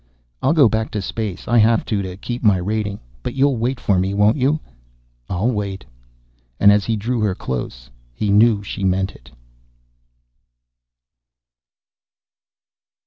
"I'll go back to space. I have to, to keep my rating. But you'll wait for me, won't you?" "I'll wait." And as he drew her close, he knew she meant it.